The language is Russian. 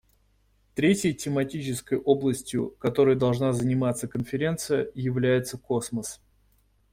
Третьей тематической областью, которой должна заниматься Конференция, является космос.